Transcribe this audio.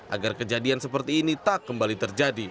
agar kejadian seperti ini tak kembali terjadi